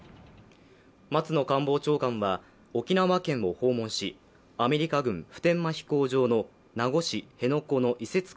松野官房長官は沖縄県を訪問しアメリカ軍普天間飛行場の名護市辺野古の移設